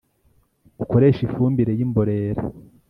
ukoresha ifumbire yi mborera,